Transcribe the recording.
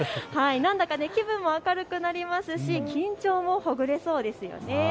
気分も明るくなりますし緊張もほぐれそうですよね。